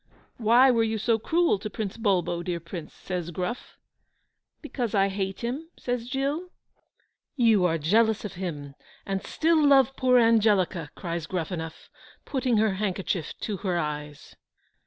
"Why were you so cruel to Prince Bulbo, dear Prince?" says Gruff. "Because I hate him," says Giglio. "You are jealous of him, and still love poor Angelica," cries Gruffanuff, putting her handkerchief to her eyes.